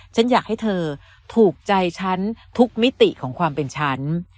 ฉันอยากให้เธอถูกใจฉันทุกมิติของความเป็นฉัน